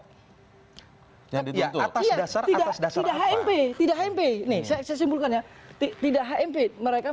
hai yang di atas atas tidak sudah sudah sudah mp tidak mp ini saya simpulkan ya tidak mp mereka